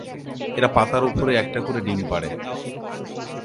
এরা পাতার উপরে একটা করে ডিম পাড়ে।